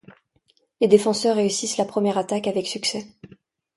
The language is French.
Les défenseurs réussissent la première attaque avec succès.